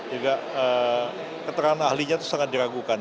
juga keterangan ahlinya itu sangat diragukan